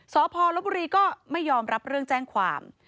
สพลบุรีก็ไม่ยอมรับเรื่องแจ้งความ